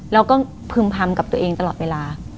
เราก็พึ่งพรรมกับตัวเองตลอดเวลา